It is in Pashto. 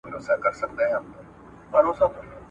یوه ورځ یې د سپي سترګي وې تړلي ..